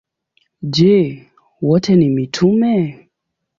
Je, wote ni mitume?